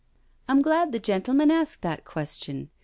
" I'm glad the gentleman asked that question.